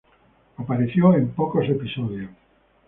Apareció en pocos episodios.